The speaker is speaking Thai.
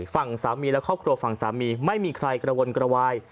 ฝั่งสามีและครอบครัวฝั่งสามีไม่มีใครกระวนกระวาย